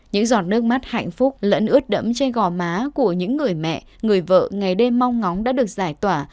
những giọt nước mắt hạnh phúc lẫn ướt đẫm trên gò má của những người mẹ người vợ ngày đêm mong ngóng đã được giải tỏa